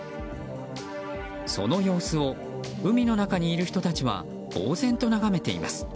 その様子を海の中にいる人たちはぼうぜんと眺めています。